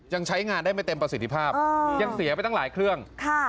ยังใช้งานได้ไม่เต็มประสิทธิภาพยังเสียไปตั้งหลายเครื่อง